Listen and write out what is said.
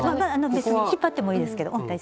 引っ張ってもいいですけど大丈夫です。